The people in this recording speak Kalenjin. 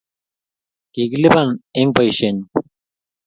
Kikilipan eng' Boishenyin